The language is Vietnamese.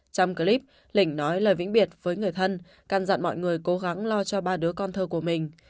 trong clip lỉnh nói lời vĩnh biệt với người thân căn dặn mọi người cố gắng lo cho ba đứa con thơ của mình